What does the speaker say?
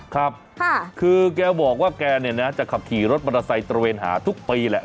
ครับคือแกบอกว่าแกเนี่ยนะจะขับขี่รถมอเตอร์ไซค์ตระเวนหาทุกปีแหละ